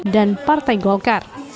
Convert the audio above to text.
dan partai golkar